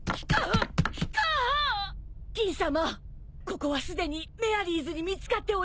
ここはすでにメアリーズに見つかっております。